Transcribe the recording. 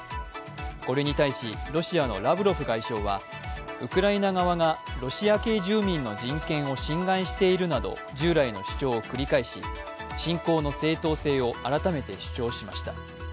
これに対しロシアのラブロフ外相はウクライナ側がロシア系住民の住民を侵害しているなど従来の主張を繰り返し侵攻の正当性を改めて主張しました。